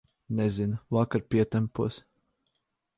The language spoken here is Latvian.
Nezinu, vakar pietempos.